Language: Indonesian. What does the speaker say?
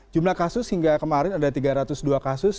jumlah kasus hingga kemarin ada tiga ratus dua kasus